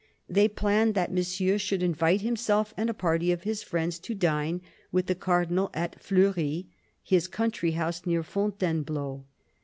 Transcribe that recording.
They planned that Monsieur should invite himself and a party of his friends to dine with the Cardinal at Fleury, his country house near Fontainebleau.